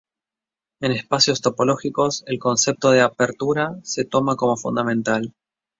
En espacios topológicos, el concepto de apertura se toma como fundamental.